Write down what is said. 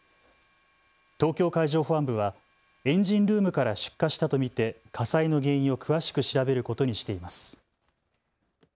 東京海上保安部はエンジンルームから出火したと見て火災の原因を詳しく調べることにしています。